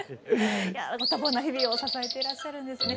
ご多忙な日々を支えてらっしゃるんですね。